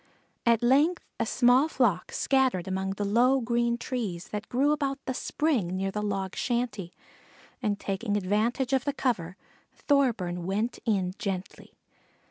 At length a small flock scattered among the low green trees that grew about the spring, near the log shanty, and taking advantage of the cover, Thorburn went in gently.